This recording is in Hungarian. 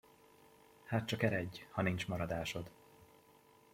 Hát csak eredj, ha nincs maradásod!